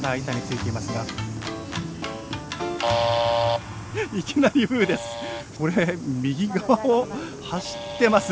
いきなり「ブー」です。